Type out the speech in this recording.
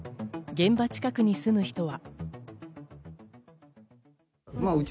現場近くに住む人は。